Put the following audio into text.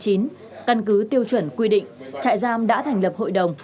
căn cứ tiêu chuẩn quy định trại giam đã thành lập hội đồng